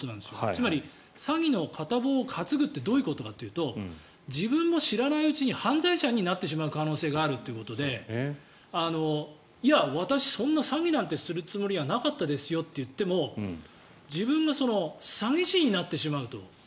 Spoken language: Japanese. つまり詐欺の片棒を担ぐってどういうことかっていうと自分が知らないうちに犯罪者になってしまう可能性があるということでいや、私、そんな詐欺なんてするつもりなかったですよと言っても自分が詐欺師になってしまうと。